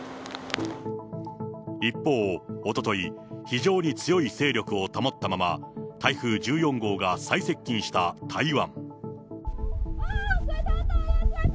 一方、おととい、非常に強い勢力を保ったまま、台風１４号が最接近した台湾。